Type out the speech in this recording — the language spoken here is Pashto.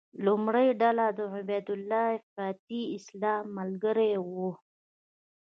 لومړۍ ډله د عبیدالله افراطي اسلام ملګري وو.